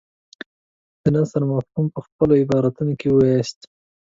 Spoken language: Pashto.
د نثر مفهوم په خپلو عباراتو کې ووایاست.